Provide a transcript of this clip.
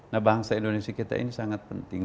nah bangsa indonesia kita ini sangat penting